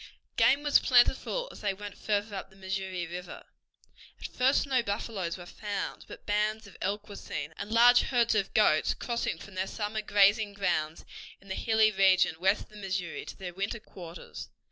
Game was plentiful as they went farther up the Missouri River. At first no buffaloes were found, but bands of elk were seen, and large herds of goats crossing from their summer grazing grounds in the hilly region west of the Missouri to their winter quarters.